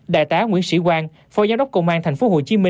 đại tá nguyễn sĩ quang phó giám đốc công an tp hcm